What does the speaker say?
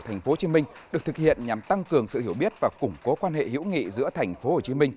tp hcm được thực hiện nhằm tăng cường sự hiểu biết và củng cố quan hệ hữu nghị giữa tp hcm